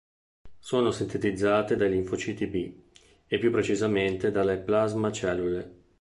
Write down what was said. Sono sintetizzate dai linfociti B, e più precisamente dalle plasmacellule.